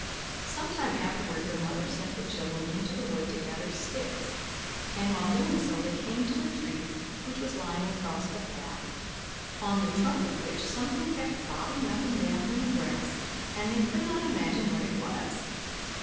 Some time afterward the Mother sent the children into the wood to gather sticks; and while doing so, they came to a tree which was lying across the path, on the trunk of which something kept bobbing up and down from the grass, and they could not imagine what it was.